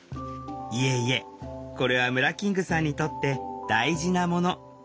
いえいえこれはムラキングさんにとって大事なもの。